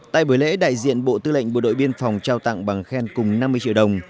tại buổi lễ đại diện bộ tư lệnh bộ đội biên phòng trao tặng bằng khen cùng năm mươi triệu đồng